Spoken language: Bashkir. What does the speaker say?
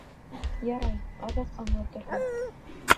Ярай, аҙаҡ аңлатырһың.